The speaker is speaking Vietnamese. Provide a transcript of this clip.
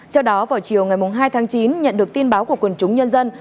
trước đó vào chiều ngày hai tháng chín nhận được tin báo của quần chúng nhân dân